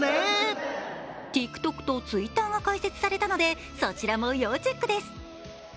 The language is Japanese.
ＴｉｋＴｏｋとＴｗｉｔｔｅｒが開設されたのでそちらも要チェックです。